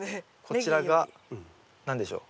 こちらが何でしょう？